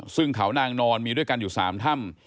ซึ่งเขานางนอนมีด้วยกันอยู่๓ถ้ำ